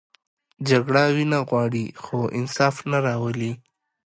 جګړه وینه غواړي، خو انصاف نه راولي